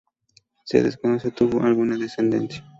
Se desconoce tuvo alguna descendencia.